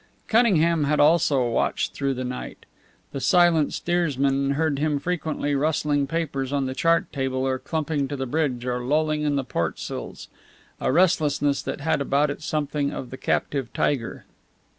Cunningham had also watched through the night. The silent steersman heard him frequently rustling papers on the chart table or clumping to the bridge or lolling on the port sills a restlessness that had about it something of the captive tiger.